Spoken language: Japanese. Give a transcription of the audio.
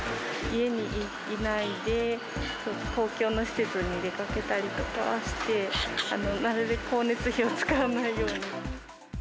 家にいないで、公共の施設に出かけたりとかして、なるべく光熱費を使わないように。